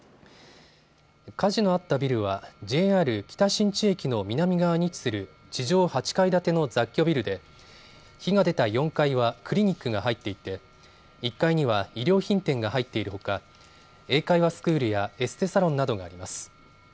火事のあったビルはＪＲ北新地駅の南側に位置する地上８階建ての雑居ビルで火が出た４階はクリニックが入っていて１階には衣料品店が入っているほか英会話スクールやエステサロンなどがあります。